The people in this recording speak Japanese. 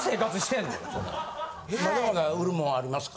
まだまだ売るもんありますか？